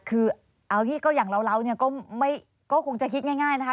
คือเอาที่ก็อย่างเราเนี่ยก็คงจะคิดง่ายนะคะ